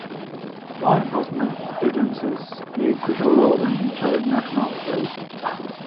Law enforcement agencies play a crucial role in ensuring national security.